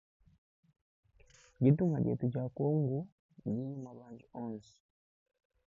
Ditunga dietu dia kongu didi ne mabanji onsu.